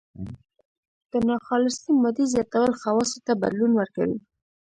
د ناخالصې مادې زیاتول خواصو ته بدلون ورکوي.